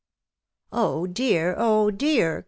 " Oh, dear! oh, dear!